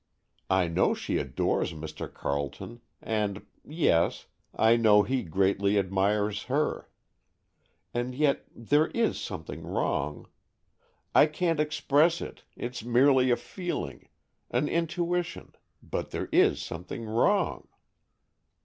I know she adores Mr. Carleton,—and—yes, I know he greatly admires her,—and yet there is something wrong. I can't express it—it's merely a feeling,—an intuition, but there is something wrong."